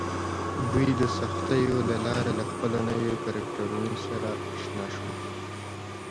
دوی د سختیو له لارې له خپلو نویو کرکټرونو سره اشنا شول